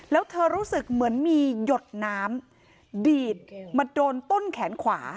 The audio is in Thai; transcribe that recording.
แล้วเธอรู้สึกเหมือนมีหยดน้ำดีดมาโดนต้นแขนขวา